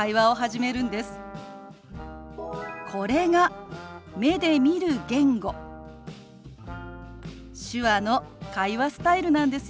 これが目で見る言語手話の会話スタイルなんですよ。